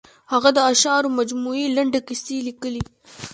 هغه د اشعارو مجموعې، لنډې کیسې لیکلي.